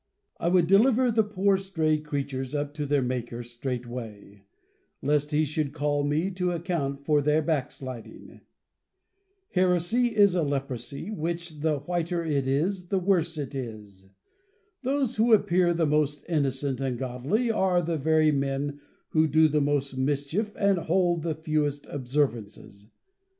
I would deliver the poor stray creatures up to their Maker straightway, lest he should call me to account for their backsliding. Heresy is a leprosy, which the whiter it is the worse it is. Those who appear the most innocent and godly, are the very men who do the most mischief and hold the fewest observances.